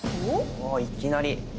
おいきなり。